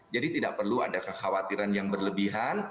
jadi tidak perlu ada kekhawatiran yang berlebihan